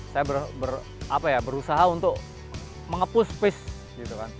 saya berusaha untuk mengepus pace